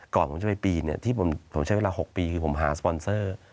ก่อนผมจะไปปีนที่ผมใช้เวลา๖ปีคือผมหาสปอนเซอร์